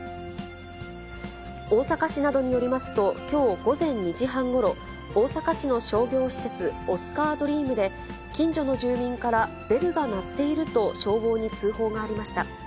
大阪市などによりますと、きょう午前２時半ごろ、大阪市の商業施設、オスカードリームで、近所の住民からベルが鳴っていると消防に通報がありました。